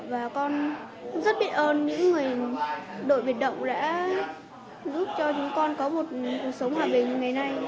và con rất biết ơn những người đội biệt động đã giúp cho chúng con có một cuộc sống hòa bình ngày nay